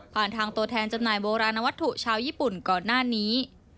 ทางตัวแทนจำหน่ายโบราณวัตถุชาวญี่ปุ่นก่อนหน้านี้